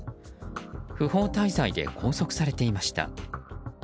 不法滞在で拘束されていました。